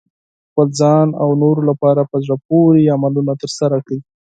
د خپل ځان او نورو لپاره په زړه پورې عملونه ترسره کړئ.